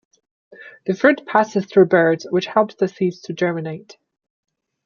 The fruit passes through birds, which helps the seeds to germinate.